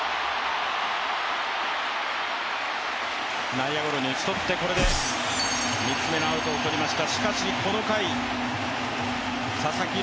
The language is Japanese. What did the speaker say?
内野ゴロに打ち取って、３つのアウトを取りました。